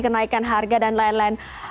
kenaikan harga dan lain lain